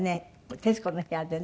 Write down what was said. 『徹子の部屋』でね